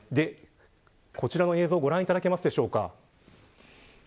こちらの映像をご覧いただけますでしょうか。